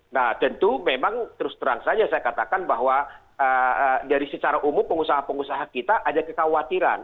nah tentu memang terus terang saja saya katakan bahwa dari secara umum pengusaha pengusaha kita ada kekhawatiran